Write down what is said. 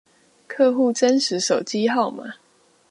客戶真實手機號碼